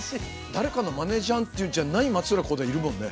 誰かのマネじゃんっていうんじゃない松浦航大いるもんね。